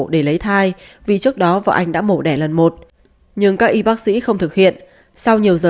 để lấy thai vì trước đó vợ anh đã mổ đẻ lần một nhưng các y bác sĩ không thực hiện sau nhiều giờ